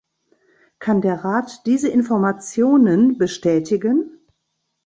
Kann der Rat diese Informationen bestätigen?